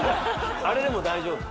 あれでも大丈夫？